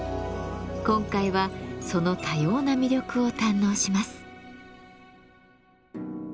今回はその多様な魅力を堪能します。